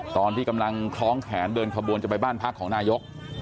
ตอนที่กำลังคล้องแขนเดินขบวนจะไปบ้านพักของนายก